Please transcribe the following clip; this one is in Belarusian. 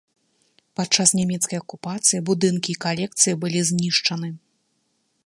Падчас нямецкай акупацыі будынкі і калекцыі былі знішчаны.